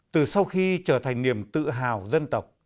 từ sau khi trở thành niềm tự hào dân tộc